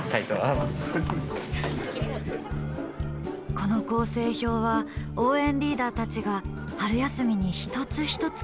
この構成表は応援リーダーたちが春休みに一つ一つ描き上げたもの。